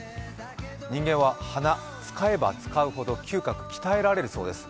人間は鼻、使えば使うほど嗅覚が鍛えられるそうです。